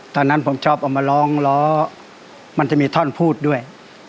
ตอนนั้นผมชอบเอามาร้องล้อมันจะมีท่อนพูดด้วย